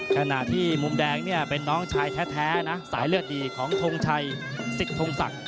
ขณะที่มุมแดงเนี่ยเป็นน้องชายแท้นะสายเลือดดีของทงชัยสิทธงศักดิ